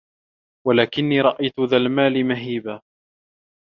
وَلَكِنِّي رَأَيْت ذَا الْمَالِ مَهِيبًا